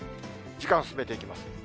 時間進めていきます。